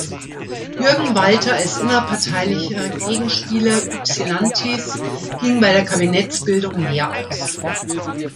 Jürgen Walter als innerparteilicher Gegenspieler Ypsilantis ging bei der Kabinettsbildung leer aus.